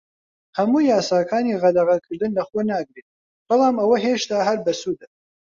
هەموو یاساکانی قەدەغەکردن لەخۆ ناگرێت، بەڵام ئەوە هێشتا هەر بەسوودە.